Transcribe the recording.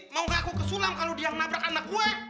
mau gak aku kesulam kalau dia yang nabrak anak gue